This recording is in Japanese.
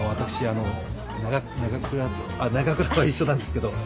長倉は一緒なんですけど。